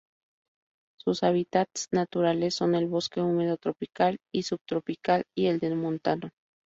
Sus hábitats naturales son el bosque húmedo tropical y subtropical y el de montano.